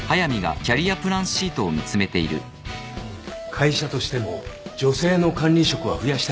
会社としても女性の管理職は増やしたいみたいで